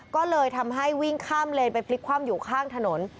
ก็เลยทำให้วิ่งข้ามเลนไปพลิกคว่ำอยู่ข้างถนน